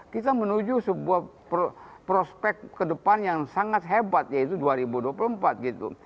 kita menuju sebuah prospek ke depan yang sangat hebat yaitu dua ribu dua puluh empat gitu